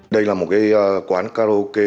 đây là một quán karaoke